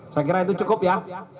saya kira itu cukup ya